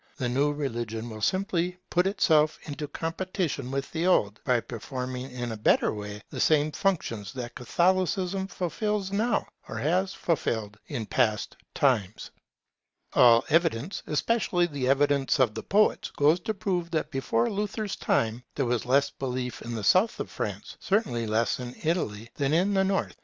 The new religion will simply put itself into competition with the old by performing in a better way the same functions that Catholicism fulfils now, or has fulfilled in past times. All evidence, especially the evidence of the poets, goes to prove that before Luther's time, there was less belief in the South of Europe, certainly less in Italy, than in the North.